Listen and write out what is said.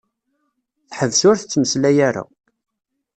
Teḥbes ur tettmeslay ara.